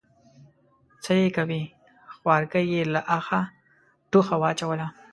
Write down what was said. _څه يې کوې، خوارکی يې له اخه ټوخه واچوله.